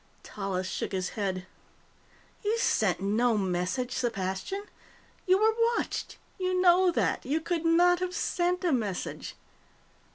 Tallis shook his head. "You sent no message, Sepastian. You were watched. You know that. You could not have sent a message."